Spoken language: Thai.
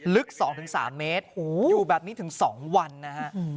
ลึกสองถึงสามเมตรโหอยู่แบบนี้ถึงสองวันนะฮะ